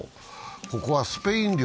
ここはスペイン領